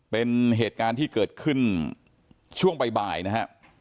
เป็นเหตุการณ์ที่เกิดขึ้นช่วงบ่ายนะฮะ